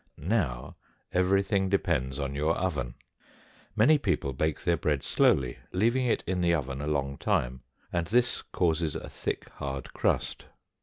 Now everything depends on your oven. Many people bake their bread slowly, leaving it in the oven a long time, and this causes a thick, hard crust.